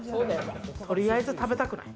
とりあえず食べたくない。